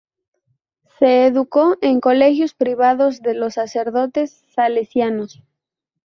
Se educó en colegios privados de los Sacerdotes Salesianos.